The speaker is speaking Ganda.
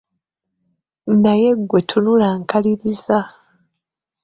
Naye ggwe tunula nkaliriza.